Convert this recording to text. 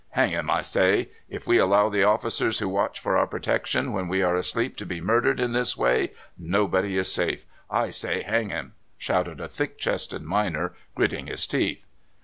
"Hang him, I say! If we allow the officers who watch for our protection when we are asleep to be murdered in this way, nobody is safe. I say hang him! " shouted a thick chested miner, grit ting his teeth.